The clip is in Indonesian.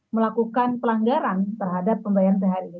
melakukan pelanggaran terhadap pembayaran seharian